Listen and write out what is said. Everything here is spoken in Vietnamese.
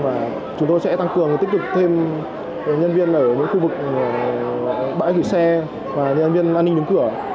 và chúng tôi sẽ tăng cường tích cực thêm nhân viên ở những khu vực bãi cửa xe và nhân viên an ninh đứng cửa